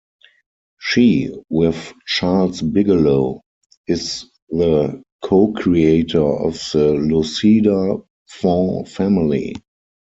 She, with Charles Bigelow, is the co-creator of the Lucida font family.